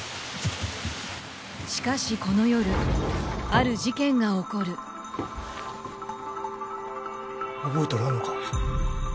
しかしこの夜ある事件が起こる覚えとらんのか？